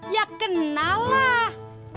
ya kenal lah